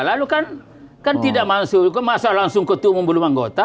lalu kan tidak masuk masa langsung ketua membeli anggota